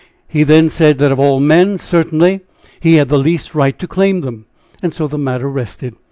He then said that of all men, certainly he had the least right to claim them, and so the matter rested.